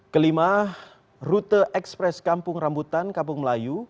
kelima rute ekspres kampung rambutan kampung melayu